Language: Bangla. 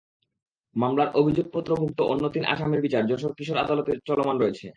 মামলার অভিযোগপত্রভুক্ত অন্য তিন আসামির বিচার যশোর কিশোর আদালতে চলমান রয়েছে।